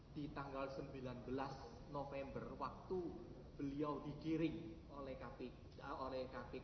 di tanggal sembilan belas november waktu beliau dikiring oleh kpk dari sstm ke kpk